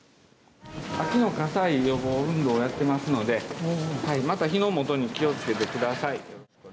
秋の火災予防運動をやっていますのでまた火の元に気をつけてください。